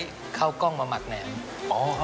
ใส่คร่าวกล้องมาหมัดแหนม